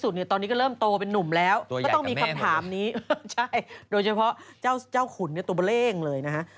โดยเฉพาะเจ้าขุนเนี่ยุ่งตัวเบล้งเลยนะฮะ